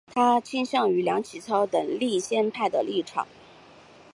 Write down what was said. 他倾向于梁启超等立宪派的立场。